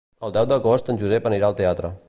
El deu d'agost en Josep anirà al teatre.